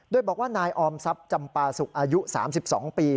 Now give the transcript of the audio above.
โดยบอกว่านายออมทรัพย์จำปาสุกอายุ๓๒ปี